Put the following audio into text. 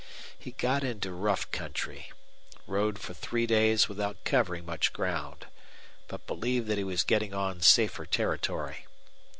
He got into rough country, rode for three days without covering much ground, but believed that he was getting on safer territory.